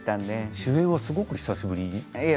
主演はすごく久しぶり。